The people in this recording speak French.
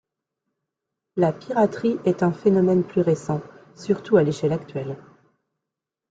La piraterie est un phénomène plus récent, surtout à l’échelle actuelle.